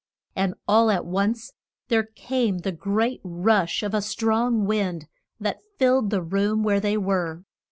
And all at once there came the great rush of a strong wind that filled the room where they were.